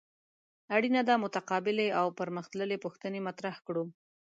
اړینه ده متقابلې او پرمخ تللې پوښتنې مطرح کړو.